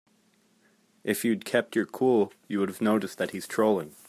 If you'd kept your cool, you would've noticed that he's trolling.